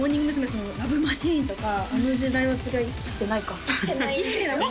さんの「ＬＯＶＥマシーン」とかあの時代はそれは生きてないか生きてないんですよ